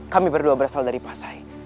kami berdua berasal dari pasai